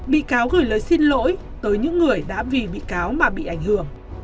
bị cáo gửi lời xin lỗi tới những người đã vì bị cáo mà bị ảnh hưởng